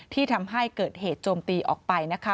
ที่ทำให้เกิดเหตุโจมตีออกไปนะคะ